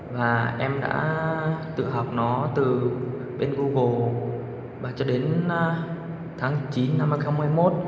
và em đã tự học nó từ bên google và cho đến tháng chín năm hai nghìn hai mươi một